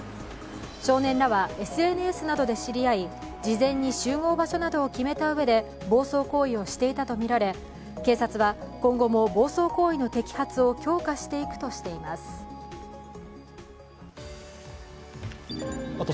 少年らはＳＮＳなどで知り合い事前に集合場所などを決めたうえで暴走行為をしていたとみられ警察は今後も暴走行為の摘発を強化していくとしています。